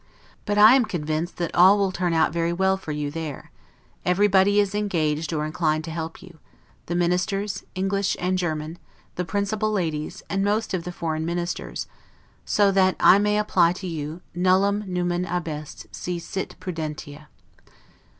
But I am convinced that all will turn out very well for you there. Everybody is engaged or inclined to help you; the ministers, English and German, the principal ladies, and most of the foreign ministers; so that I may apply to you, 'nullum numen abest, si sit prudentia'.